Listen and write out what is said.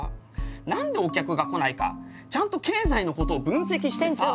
何でお客が来ないかちゃんと経済のことを分析してさ。